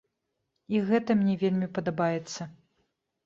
І гэта мне вельмі падабаецца.